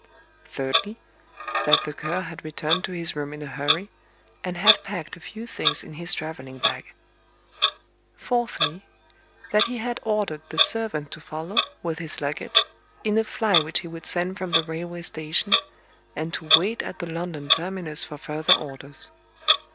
Thirdly: that the Cur had returned to his room in a hurry, and had packed a few things in his travelling bag. Fourthly: that he had ordered the servant to follow, with his luggage, in a fly which he would send from the railway station, and to wait at the London terminus for further orders.